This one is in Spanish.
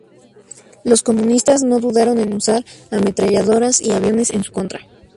Los comunistas no dudaron en usar ametralladoras y aviones en su contra.